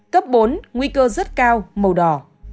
cấp bốn nguy cơ rất cao màu đỏ